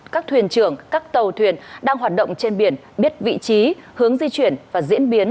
các thuyền trưởng các tàu thuyền đang hoạt động trên biển biết vị trí hướng di chuyển và diễn biến